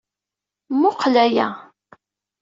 Mmuqqel aya!